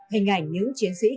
hình ảnh như chiến sinh